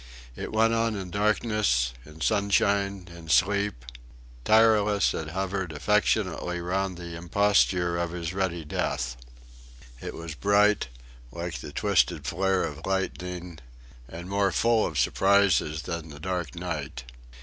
It went on in darkness, in sunshine, in sleep; tireless, it hovered affectionately round the imposture of his ready death. It was bright, like the twisted flare of lightning, and more full of surprises than the dark night.